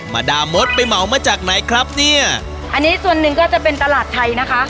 มาดามดไปเหมามาจากไหนครับเนี่ยอันนี้ส่วนหนึ่งก็จะเป็นตลาดไทยนะคะ